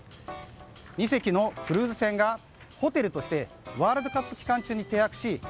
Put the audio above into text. ２隻のクルーズ船がホテルとしてワールドカップ期間中に停泊し４０００